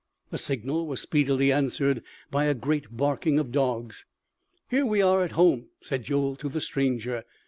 The signal was speedily answered by a great barking of dogs. "Here we are at home!" said Joel to the stranger.